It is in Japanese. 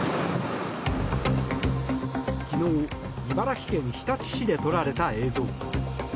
昨日、茨城県日立市で撮られた映像。